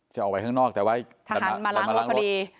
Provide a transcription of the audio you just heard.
จะออกไปข้างนอกแต่ว่าเรามาล้างพอดี